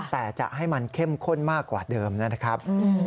แต่จะให้มันเข้มข้นมากกว่าเดิมนะครับ